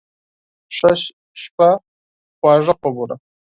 ښه شپه، خواږه خوبونه